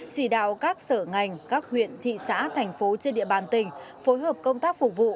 chỉ đạo các sở ngành các huyện thị xã thành phố trên địa bàn tỉnh phối hợp công tác phục vụ